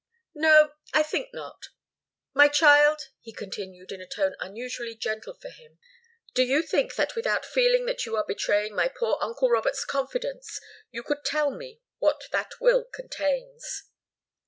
"No I think not. My child," he continued, in a tone unusually gentle for him, "do you think that without feeling that you are betraying my poor uncle Robert's confidence, you could tell me what that will contains?"